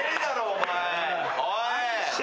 おい！